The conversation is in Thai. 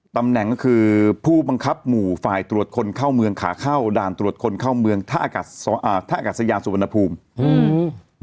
ตำแหน่งก็คือผู้บังคับหมู่ฝ่ายตรวจคนเข้าเมืองขาเข้าด่านตรวจคนเข้าเมืองท่าอากาศอ่าท่าอากาศยานสุวรรณภูมิอืม